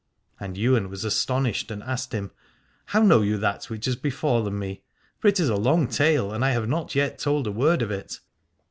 And Ywain was astonished and asked him : How know you that which has befallen me, for it is a long tale and I have not yet told a word of it.